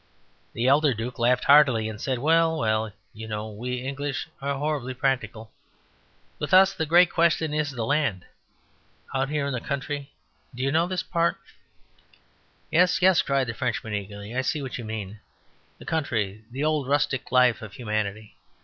The elder Duke laughed heartily, and said: "Well, well, you know; we English are horribly practical. With us the great question is the land. Out here in the country ... do you know this part?" "Yes, yes," cried the Frenchmen eagerly. "I See what you mean. The country! the old rustic life of humanity!